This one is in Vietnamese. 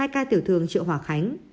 hai ca tiểu thường chợ hỏa khánh